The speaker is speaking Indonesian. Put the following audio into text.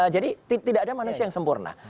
tidak ada manusia yang sempurna